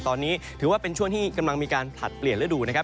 ตอนนี้ถือว่าเป็นช่วงที่กำลังมีการผลัดเปลี่ยนฤดูนะครับ